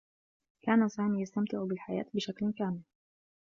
كان سامي يستمتع بالحياة بشكل كامل.